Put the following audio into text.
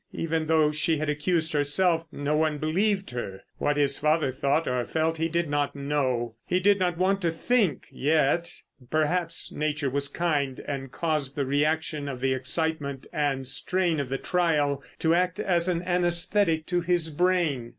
Even though she had accused herself no one believed her. What his father thought or felt he did not know. He did not want to think—yet. Perhaps nature was kind, and caused the reaction of the excitement and strain of the trial to act as an anæsthetic to his brain.